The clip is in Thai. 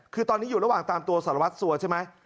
คือตอนนี้อยู่ระหว่างตามตัวสารวัตรสัวใช่ไหม